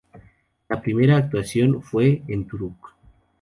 La primera actuación fue en Turku.